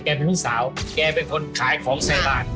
เป็นลูกสาวแกเป็นคนขายของใส่บาท